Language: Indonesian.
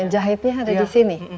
jahitnya ada di sini